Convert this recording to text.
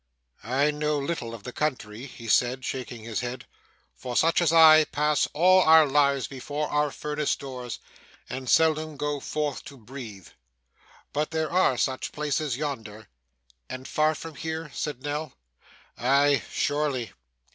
'I know little of the country,' he said, shaking his head, 'for such as I, pass all our lives before our furnace doors, and seldom go forth to breathe. But there are such places yonder.' 'And far from here?' said Nell. 'Aye surely.